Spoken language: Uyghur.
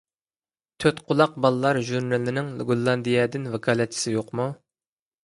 تۆتقۇلاق بالىلار ژۇرنىلىنىڭ گوللاندىيەدىن ۋاكالەتچىسى يوقمۇ؟